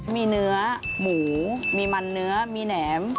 มีเนื้อหมูมีมันเนื้อมีแหนม